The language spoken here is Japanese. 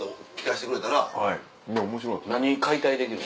何解体できる？